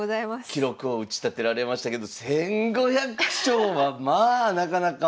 記録を打ち立てられましたけど１，５００勝はまあなかなか。